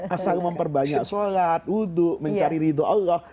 asal memperbanyak sholat wudhu mencari ridho allah